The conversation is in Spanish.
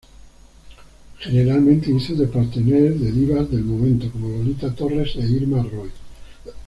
Generalmente hizo de "partenaire" de divas del momento como Lolita Torres e Irma Roy.